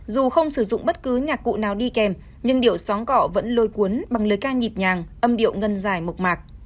dù không sử dụng bất cứ nhạc cụ nào đi kèm nhưng điệu xóm cọ vẫn lôi cuốn bằng lời ca nhịp nhàng âm điệu ngân dài mộc mạc